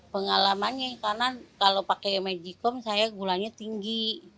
pengalamannya karena kalau pakai mejikom saya gulanya tinggi